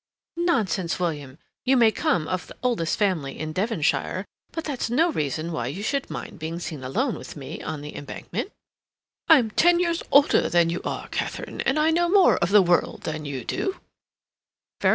"Nonsense, William. You may come of the oldest family in Devonshire, but that's no reason why you should mind being seen alone with me on the Embankment." "I'm ten years older than you are, Katharine, and I know more of the world than you do."